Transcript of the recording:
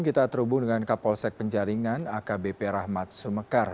kita terhubung dengan kapolsek penjaringan akbp rahmat sumekar